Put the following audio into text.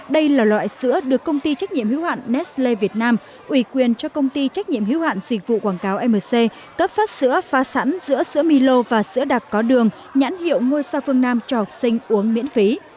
đây là loại sữa được công ty trách nhiệm hiếu hạn nestle việt nam ủy quyền cho công ty trách nhiệm hiếu hạn dịch vụ quảng cáo mc cấp phát sữa pha sẵn giữa sữa milo và sữa đạp có đường nhãn hiệu ngôi sao phương nam cho học sinh uống miễn phí